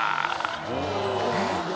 えっ？